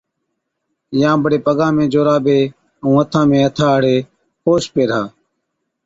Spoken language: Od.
يان بڙي پگا ۾ جورابي ائُون هٿا ۾ هٿا هاڙي پوش پيهرا۔